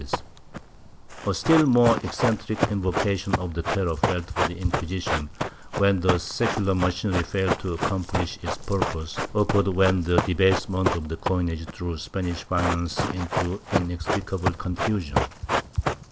X] COINAGE 283 A still more eccentric invocation of the terror felt for the Inqui sition, when the secular machinery failed to accomplish its purpose, occurred when the debasement of the coinage threw Spanish finance into inextricable confusion.